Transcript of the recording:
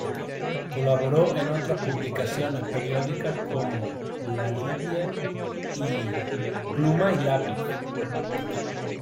Colaboró en otras publicaciones periódicas como "La Lidia" y "Pluma y Lápiz".